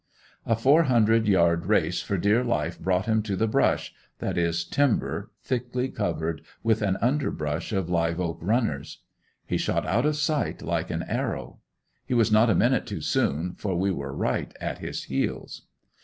A four hundred yard race for dear life brought him to the "brush" that is timber, thickly covered with an underbrush of live oak "runners." He shot out of sight like an arrow. He was not a minute too soon, for we were right at his heels.